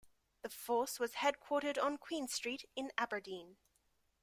The force was headquartered on Queen Street in Aberdeen.